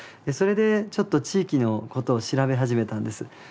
それでちょっと地域のことを調べ始めたんです。